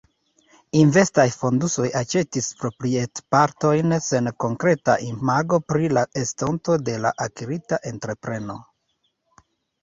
Investaj fondusoj aĉetis proprietpartojn sen konkreta imago pri la estonto de la akirita entrepreno.